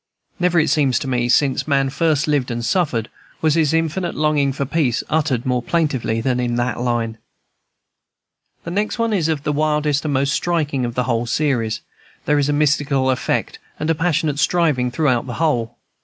Never, it seems to me, since man first lived and suffered, was his infinite longing for peace uttered more plaintively than in that line. The next is one of the wildest and most striking of the whole series: there is a mystical effect and a passionate striving throughout the whole.